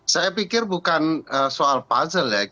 saya pikir bukan soal puzzle ya